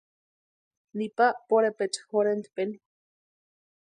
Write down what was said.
Nipa pʼorhepecha jorhentpeni.